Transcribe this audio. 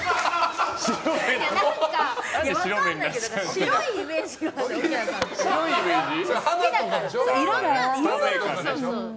白いイメージがあるから。